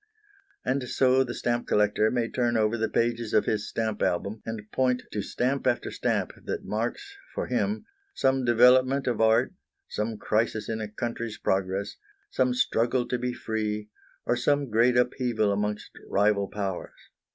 And so the stamp collector may turn over the pages of his stamp album, and point to stamp after stamp that marks, for him, some development of art, some crisis in a country's progress, some struggle to be free, or some great upheaval amongst rival powers.